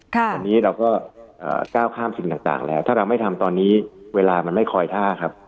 วันนี้เราก็ก้าวข้ามสิ่งต่างแล้วถ้าเราไม่ทำตอนนี้เวลามันไม่คอยท่าครับ